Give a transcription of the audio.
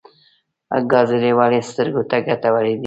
ګازرې ولې سترګو ته ګټورې دي؟